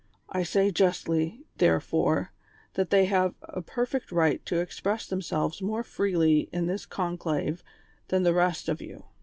I say justly, therefore, that they have a perfect right to express themselves more freely in this conclave than the rest of you.